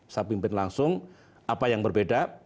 saya pimpin langsung apa yang berbeda